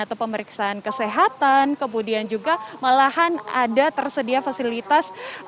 atau pemeriksaan kesehatan kemudian juga malahan ada tersedia fasilitas